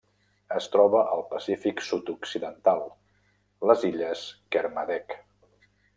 Es troba al Pacífic sud-occidental: les illes Kermadec.